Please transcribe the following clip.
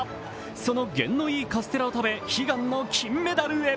その験のいいカステラを食べ、悲願の金メダルへ。